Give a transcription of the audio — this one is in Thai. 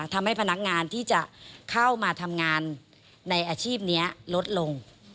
ทำให้พนักงานที่จะเข้ามาทำงานในอาชีพนี้ลดลง